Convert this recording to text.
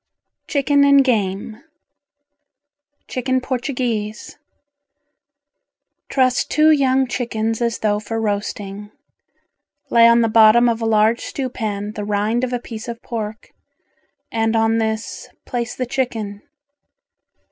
CHICKEN AND GAME Chicken Portuguese Truss two young chickens as though for roasting. Lay on the bottom of a large stew pan the rind of a piece of pork, and on this, place the chicken.